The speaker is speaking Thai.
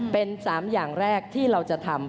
เป็น๓อย่างแรกที่เราจะทำ